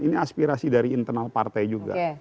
ini aspirasi dari internal partai juga